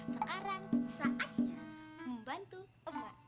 sekarang saatnya membantu mbak